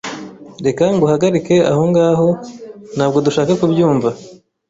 Reka nguhagarike aho ngaho. Ntabwo dushaka kubyumva.